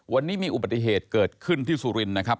วันนี้มีอุบัติเหตุเกิดขึ้นที่สุรินทร์นะครับ